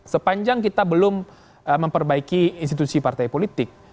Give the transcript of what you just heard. sepanjang kita belum memperbaiki institusi partai politik